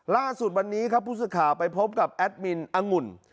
ล่าสุดวันนี้ครับผู้สื่อข่าวไปพบกับแอดมินองุ่น